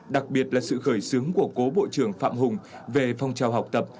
đặc biệt là sự khởi xứng của cố bộ trưởng phạm hùng về phong trào học tập